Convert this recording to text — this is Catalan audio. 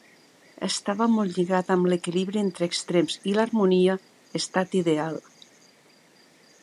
Estava molt lligada amb l'equilibri entre extrems i l'harmonia, estat ideal.